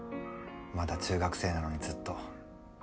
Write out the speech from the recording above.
まだ中学生なのにずっと。